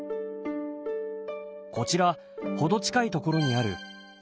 こちら程近い所にある福浦港。